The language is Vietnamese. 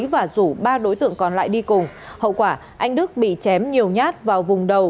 và rủ ba đối tượng còn lại đi cùng hậu quả anh đức bị chém nhiều nhát vào vùng đầu